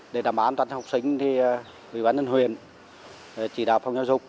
để đảm bảo an toàn cho học sinh thì huyện phạm hồng thái huyện chỉ đạo phòng giáo dục